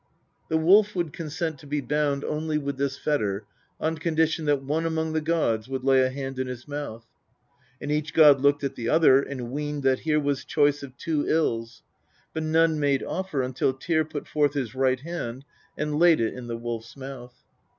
The Wolf would consent to be bound only with this fetter on conditiort that one among the gods would lay a hand in his mouth. " And each god looked at the other, and weened that here was choice of two ills; but none made offer until Tyr put forth his right hand, and laid it in the Wolf's mouth."